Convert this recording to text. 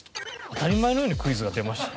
当たり前のようにクイズが出ました。